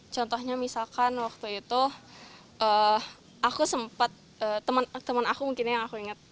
contohnya misalkan waktu itu aku sempat temen aku mungkin yang aku ingat